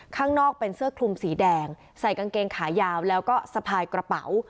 ข้างนอกเป็นเสื้อคลุมสีแดงใส่กางเกงขายาวแล้วก็สะพายกระเป๋า